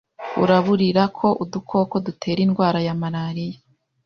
buraburira ko udukoko dutera indwara ya Malaria